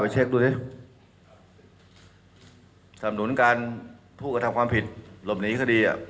เช็คดูสิสำนุนการผู้กระทำความผิดหลบหนีคดี